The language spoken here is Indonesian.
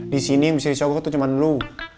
di sini yang bisa disokok tuh cuma lo